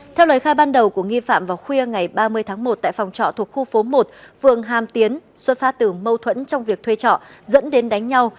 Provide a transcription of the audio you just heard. theo lời khai ban đầu của nghi phạm vào khuya ngày ba mươi tháng một tại phòng trọ thuộc khu phố một phường hàm tiến xuất phát từ mâu thuẫn trong việc thuê trọ dẫn đến đánh nhau